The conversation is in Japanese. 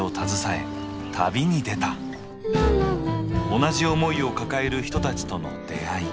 同じ思いを抱える人たちとの出会い。